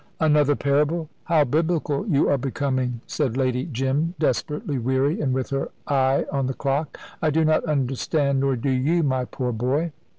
"Another parable! How biblical you are becoming!" said Lady Jim, desperately weary and with her eye on the clock. "I do not understand, nor do you, my poor boy."